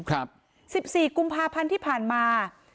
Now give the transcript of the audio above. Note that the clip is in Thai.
๑๔กุมภาพันธ์ที่ผ่านมา